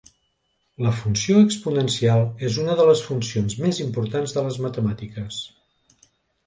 La funció exponencial és una de les funcions més importants de les matemàtiques.